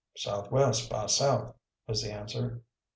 "Southwest by south," was the answer.